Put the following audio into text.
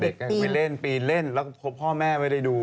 เด็กกับมีเล่นปีนเล่นแลโพพ่อแม่ไว้ดู